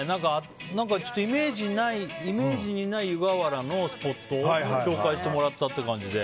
何か、イメージにない湯河原のスポットを紹介してもらったって感じで。